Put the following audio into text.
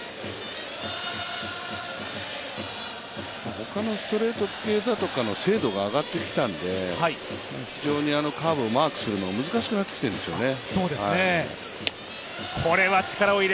ほかのストレート系だとかの精度が上がってきたので非常にあのカーブをマークするのが難しくなってきているんでしょうね。